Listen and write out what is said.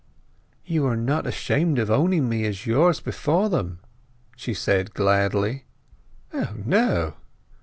"You are not ashamed of owning me as yours before them!" she said gladly. "O no!"